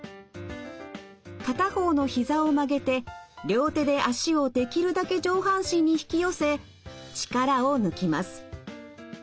片方のひざを曲げて両手で脚をできるだけ上半身に引き寄せ力を抜きます。